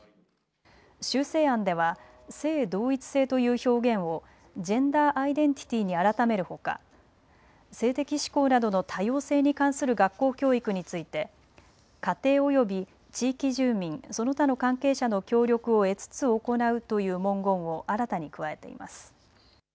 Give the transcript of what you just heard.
修正案では性同一性という表現をジェンダーアイデンティティに改めるほか、性的指向などの多様性に関する学校教育について家庭および地域住民、その他の関係者の協力を得つつ行うという文言を新たに加えています。